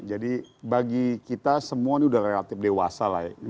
jadi bagi kita semua ini udah relatif dewasa lah ya